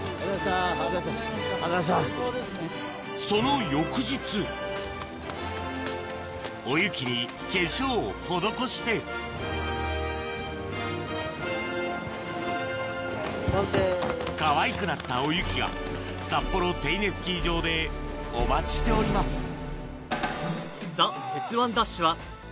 その翌日おゆきに化粧を施してかわいくなったおゆきがサッポロテイネスキー場でお待ちしております